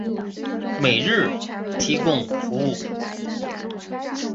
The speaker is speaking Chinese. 每日提供服务。